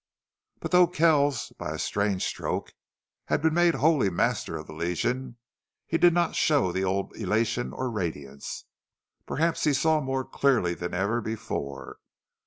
But though Kells, by a strange stroke, had been made wholly master of the Legion, he did not show the old elation or radiance. Perhaps he saw more clearly than ever before.